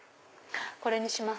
これにします。